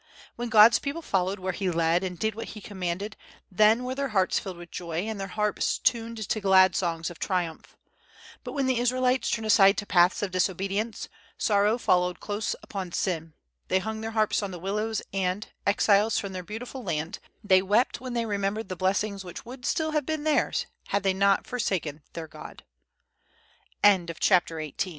When God's people followed where He led, and did what He commanded, then were their hearts filled with joy, and their harps tuned to glad songs of triumph; but when the Israelites turned aside to paths of disobedience, sorrow followed close upon sin; they hung their harps on the willows, and, exiles from their beautiful land, they wept when they remembered the blessings which would still have been theirs, had they not forsaken their God!" FOOTNOTE: [B] A. L.